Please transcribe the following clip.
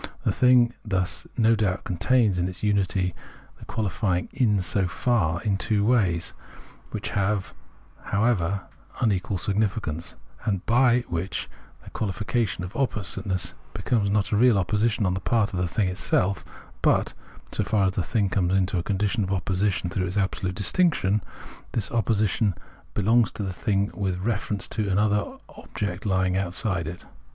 The thing thus no doubt contains in its unity the quaHfying " in so far " in two ways, which have, however, un equal significance; and by that quahfication this oppositeness becomes not a real opposition on the part of the thing itself, but — so far as the thing comes into a condition of opposition through its absolute distinction — this opposition belongs to the thing with reference to an other thing lying outside it.